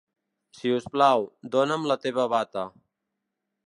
Si us plau, dona'm la meva bata.